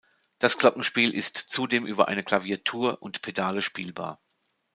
Das Glockenspiel ist zudem über eine Klaviatur und Pedale spielbar.